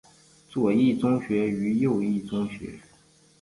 左翼宗学与右翼宗学。